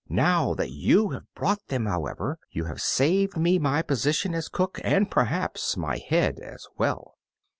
Now that you have brought them, however, you have saved me my position as cook, and perhaps my head as well."